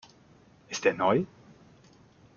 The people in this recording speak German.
Ist der neu?